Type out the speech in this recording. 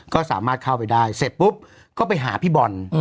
ก็สามารถเข้าไปได้เสร็จปุ๊บก็ไปหาพี่บอล